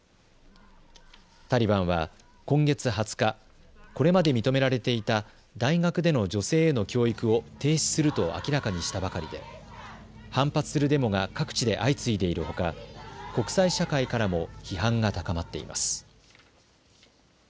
タリバンは今月２０日、これまで認められていた大学での女性への教育を停止すると明らかにしたばかりで反発するデモが各地で相次いでいるほか国際社会からも批判が高まっています。